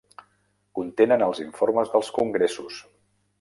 Contenen els informes dels congressos.